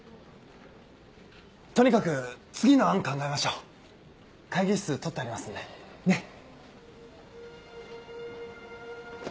とにかく次の案考えましょう会議室取ってありますんでねっ。